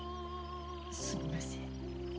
すみません。